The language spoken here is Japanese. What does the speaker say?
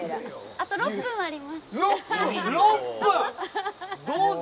あと６分あります。